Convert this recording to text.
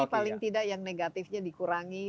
paling tidak yang negatifnya dikurangi